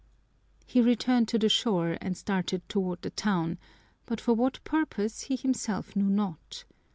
He returned to the shore and started toward the town, but for what purpose he himself knew not.